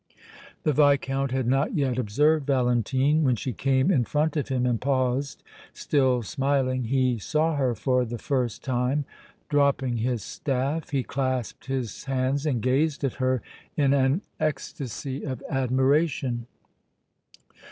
The Viscount had not yet observed Valentine. When she came in front of him and paused, still smiling, he saw her for the first time. Dropping his staff, he clasped his hands and gazed at her in an ecstasy of admiration.